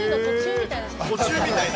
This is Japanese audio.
途中みたいな。